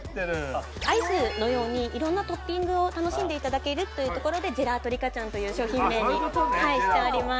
アイスのようにいろんなトッピングを楽しんでいただけるというところで「ジェラートリカちゃん」という商品名にしております。